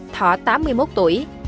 thọ tám mươi một tuổi